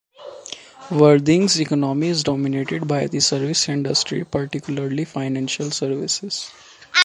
Worthing's economy is dominated by the service industry, particularly financial services.